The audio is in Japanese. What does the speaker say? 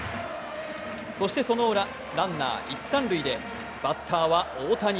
そしてそのウラ、ランナー一・三塁でバッターは大谷。